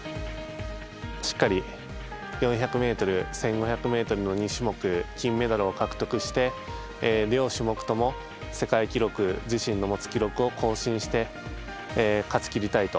しっかり４００ｍ、１５００ｍの２種目金メダルを獲得して両種目とも世界記録自身の持つ記録を更新して勝ちきりたいと。